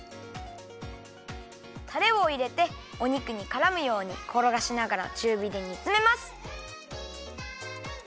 タレをいれてお肉にからむようにころがしながらちゅうびでにつめます。